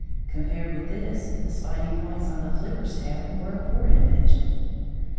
Compared with this, the spiny points on the flicker's tail were a poor invention.